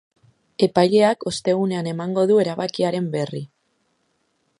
Epaileak ostegunean emango du erabakiaren berri.